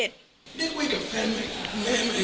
ได้คุยกับแฟนไหม